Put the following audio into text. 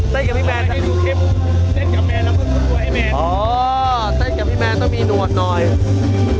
ต้องมีนวดนจ